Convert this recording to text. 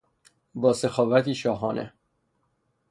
با سخاوتی شاهانه